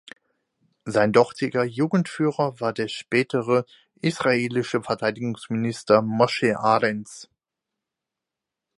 Sein dortiger Jugendführer war der spätere israelische Verteidigungsminister Mosche Arens.